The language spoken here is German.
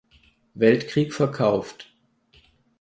Weltkrieg verkauft.